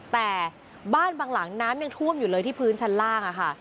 แต่บ้านบางหลังน้ำยังท่วมอยู่เลยที่พื้นชั้นล่างอะค่ะ